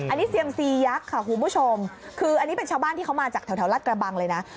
อันนี้เซียมซียักษ์ค่ะคุณผู้ชมคืออันนี้เป็นชาวบ้านที่เขามาจากแถวรัฐกระบังเลยนะ